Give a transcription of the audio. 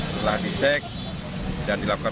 setelah dicek dan dilakukan